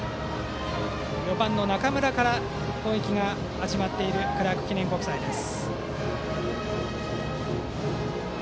４番の中村から攻撃が始まっているクラーク記念国際です。